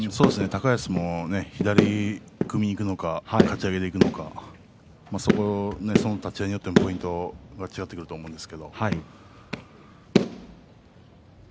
高安も左に組みにいくのかかち上げていくのかそこが立ち合いによってポイントが違ってくると思いますね。